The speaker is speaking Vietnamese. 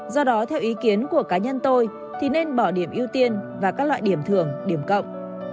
do đó theo ý kiến của cá nhân tôi thì nên bỏ điểm ưu tiên và các loại điểm thường điểm cộng